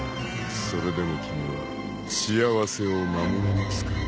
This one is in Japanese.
［それでも君は幸せを守れますか？］